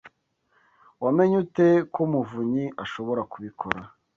Wamenye ute ko muvunyi ashobora kubikora?